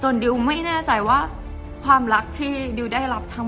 จนดิวไม่แน่ใจว่าความรักที่ดิวได้รักมันคืออะไร